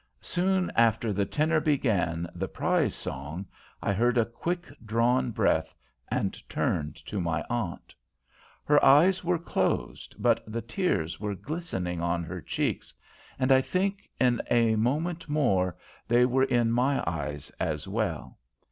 Soon after the tenor began the "Prize Song," I heard a quick drawn breath and turned to my aunt. Her eyes were closed, but the tears were glistening on her cheeks, and I think, in a moment more, they were in my eyes as well.